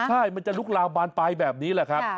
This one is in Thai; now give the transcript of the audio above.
ใช่มันจะลุกลามบานปลายแบบนี้แหละครับ